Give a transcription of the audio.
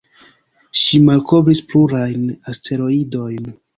Ŝi malkovris plurajn asteroidojn.